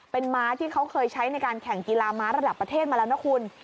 เป็นม้าที่เขาเคยใช้ในการแข่งกีฬาม้าระดับประเทศมาแล้วนะคุณ